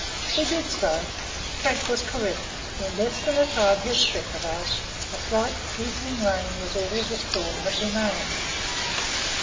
We did so. Frank was correct; in less than the time he had specified a slight drizzling rain was all of the storm that remained.